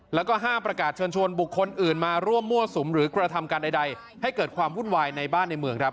แล้วก็ห้ามประกาศเชิญชวนบุคคลอื่นมาร่วมมั่วสุมหรือกระทำการใดให้เกิดความวุ่นวายในบ้านในเมืองครับ